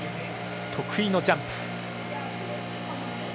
得意のジャンプ。